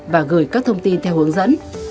và gửi các thông tin theo hướng dẫn